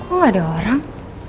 kok gak ada orang